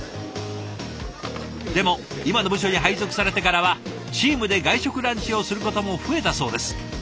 でも今の部署に配属されてからはチームで外食ランチをすることも増えたそうです。